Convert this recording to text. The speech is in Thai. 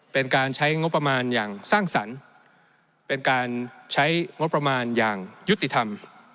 เป็นการใช้งบประมาณอย่างสร้างสรรค์เป็นการใช้งบประมาณอย่างยุติธรรม